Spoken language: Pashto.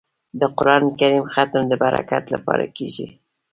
د قران کریم ختم د برکت لپاره کیږي.